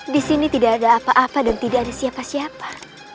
di sini tidak ada apa apa dan tidak ada siapa siapa